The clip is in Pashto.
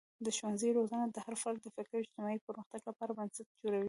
د ښوونځي روزنه د هر فرد د فکري او اجتماعي پرمختګ لپاره بنسټ جوړوي.